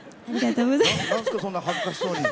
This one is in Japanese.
なんでそんな恥ずかしそうに。